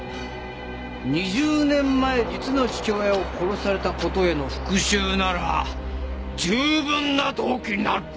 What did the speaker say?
２０年前実の父親を殺された事への復讐なら十分な動機になる！